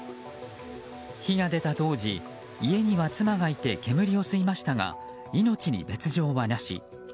火が出た当時、家には妻がいて煙を吸いましたが命に別条はなし。